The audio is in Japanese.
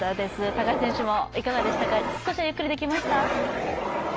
高橋選手もいかがでしたか、少しはゆっくりできました？